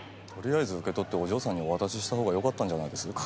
とりあえず受け取ってお嬢さんにお渡ししたほうがよかったんじゃないです？